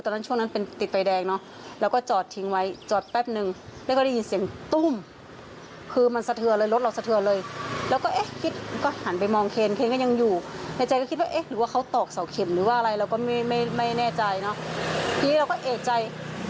เรียกว่าเกิดลืมว่าเกิดใครชนท้ายเราหรือว่าอะไร